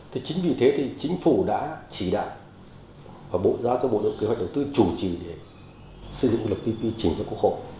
thì chính vì thế thì chính phủ đã chỉ đạo và bộ giáo cho bộ luật kế hoạch đầu tư chủ trì để sử dụng luật pp chính cho quốc hội